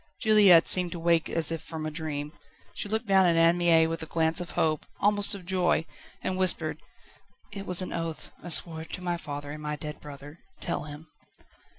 Juliette seemed to wake as if from a dream. She looked down at Anne Mie with a glance of hope, almost of joy, and whispered: "It was an oath I swore it to my father and my dead brother. Tell him."